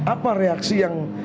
apa reaksi yang